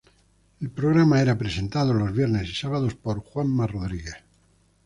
El programa era presentado los viernes y sábados por Juanma Rodríguez.